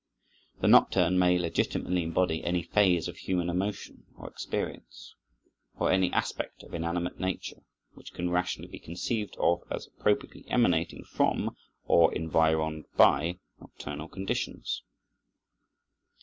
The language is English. The nocturne may legitimately embody any phase of human emotion or experience, or any aspect of inanimate nature, which can rationally be conceived of as appropriately emanating from or environed by nocturnal conditions.